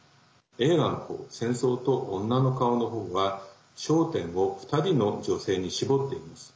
映画のほう「戦争と女の顔」のほうは焦点を２人の女性に絞っています。